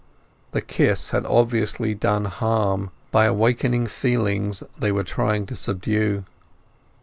The kiss had obviously done harm by awakening feelings they were trying to subdue.